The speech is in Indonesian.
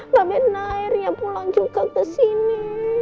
mbak bena airnya pulang juga ke sini